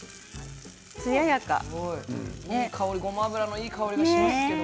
ごま油のいい香りがします。